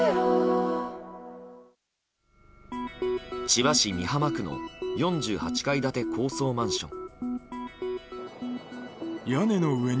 千葉市美浜区の４８階建て高層マンション。